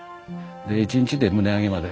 で一日で棟上げまで。